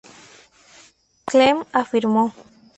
Klemm afirmó